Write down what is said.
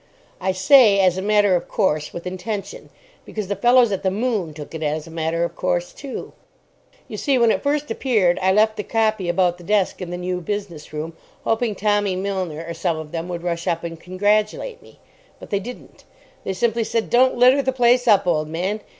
I say, "as a matter of course" with intention, because the fellows at the "Moon" took it as a matter of course, too. You see, when it first appeared, I left the copy about the desk in the New Business Room, hoping Tommy Milner or some of them would rush up and congratulate me. But they didn't. They simply said, "Don't litter the place up, old man.